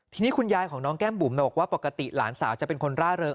ทีนี้คุณยายของน้องแก้มบุ๋มบอกว่าปกติหลานสาวจะเป็นคนร่าเริง